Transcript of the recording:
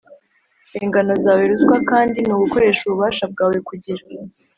nshingano zawe. Ruswa kandi ni ugukoresha ububasha bwawe kugira